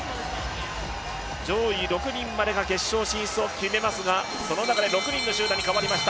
上位６人までが決勝進出を決めますがその中で６人の集団に変わりました